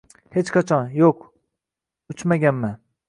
hech qachon… yo’q, uchmaganman.